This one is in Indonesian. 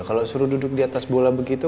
kalau suruh duduk di atas bola begitu